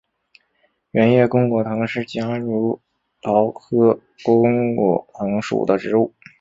圆叶弓果藤是夹竹桃科弓果藤属的植物。